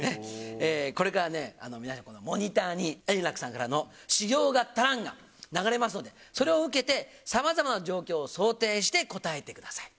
これからね、皆さん、モニターに円楽さんからの修行が足らんが流れますので、それを受けて、さまざまな状況を想定して答えてください。